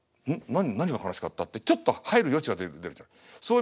「ん？何が悲しかった？」ってちょっと入る余地が出るじゃない。